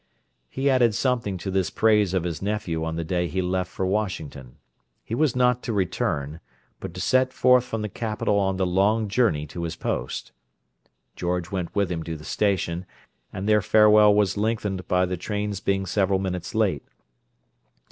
He added something to this praise of his nephew on the day he left for Washington. He was not to return, but to set forth from the capital on the long journey to his post. George went with him to the station, and their farewell was lengthened by the train's being several minutes late.